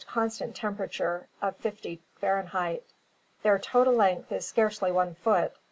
constant temperature of 500 Fahrenheit. "Their total length is scarcely one foot.